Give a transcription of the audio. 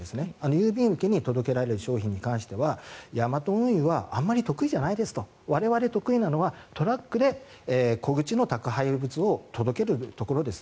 郵便受けに届けられる商品に関してはヤマト運輸はあまり得意じゃないと我々、得意なのはトラックで小口の宅配物を届けるところです。